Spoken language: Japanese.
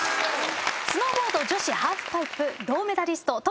スノーボード女子ハーフパイプ銅メダリスト